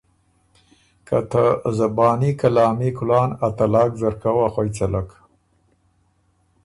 که ته زباني کلامي کلان ا طلاق ځرکه وه خوئ څلک۔